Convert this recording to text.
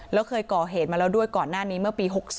แล้วเคยก่อเหตุมาแล้วด้วยก่อนหน้านี้เมื่อปี๖๒